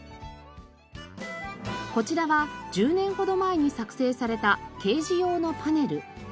こちらは１０年ほど前に作成された掲示用のパネル。